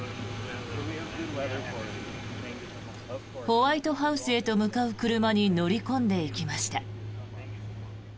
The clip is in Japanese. ホワイトハウスへと向かう車に乗り込んでいきました。